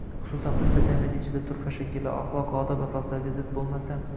xususan, bitta jamiyat ichida turfa shakllar, axloq-odab asoslariga zid bo‘lmasa